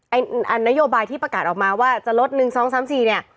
นโยบายที่ประกาศออกมาว่าจะลด๑๒๓๔เนี่ย